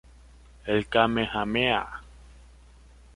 El Kamehameha.